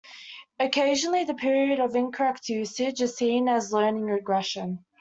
Occasionally the period of incorrect usage is seen as a learning regression.